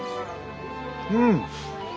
うん。